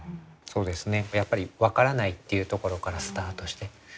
そうですねやっぱり分からないっていうところからスタートして。